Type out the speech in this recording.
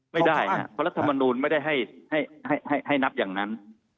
ไม่ได้นะเพราะลักษมนตร์ไม่ได้ให้นับอย่างนั้น